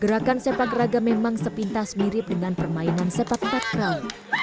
gerakan sepak raga memang sepintas mirip dengan permainan sepak takraw